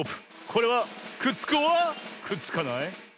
これはくっつくｏｒくっつかない？